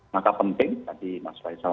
maka penting tadi mas faisal